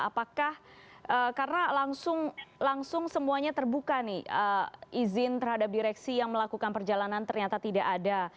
apakah karena langsung semuanya terbuka nih izin terhadap direksi yang melakukan perjalanan ternyata tidak ada